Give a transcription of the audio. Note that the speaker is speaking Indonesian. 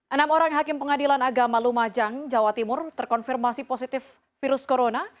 enam orang hakim pengadilan agama lumajang jawa timur terkonfirmasi positif virus corona